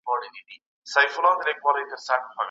تزار مرکزي حکومت منځ ته راوست.